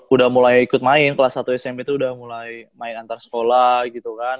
udah mulai ikut main kelas satu smp itu udah mulai main antar sekolah gitu kan